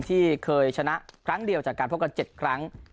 ที่เคยชนะครั้งเดียวจากการพบกัน๗ครั้ง